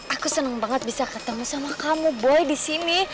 aku senang banget bisa ketemu sama kamu boy di sini